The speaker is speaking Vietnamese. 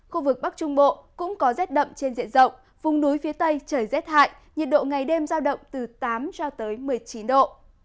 khu vực bắc trung bộ cũng có rét đậm trên diện rộng vùng núi phía tây trời rét hại nhiệt độ ngày đêm giao động từ tám cho tới một mươi chín độ